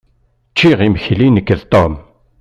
Ččiɣ imekli nekk d Tom.